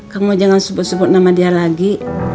kamu jangan sebut sebut nama dia lagi